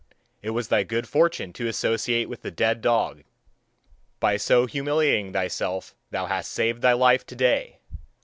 It was thy good fortune to associate with the dead dog; by so humiliating thyself thou hast saved thy life to day.